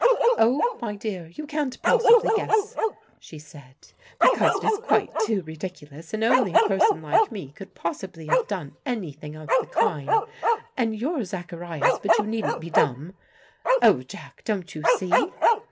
"Oh, my dear, you can't possibly guess," she said, "because it is quite too ridiculous, and only a person like me could possibly have done anything of the kind, and you're Zacharias, but you needn't be dumb. Oh, Jack, don't you see?